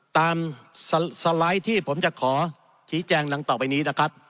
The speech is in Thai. ตามสไลด์ที่ผมจะขอขี้แจ้งดังต่อไปนี้